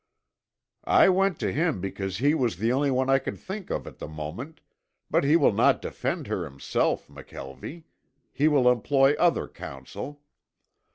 "I went to him because he was the only one I could think of at the moment, but he will not defend her himself, McKelvie. He will employ other counsel.